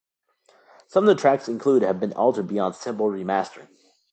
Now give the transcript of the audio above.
Some of the tracks included have been altered beyond simple remastering.